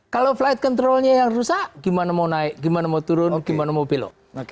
kalau flight controlnya yang rusak gimana mau naik gimana mau turun gimana mau belok